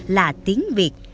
là tiếng việt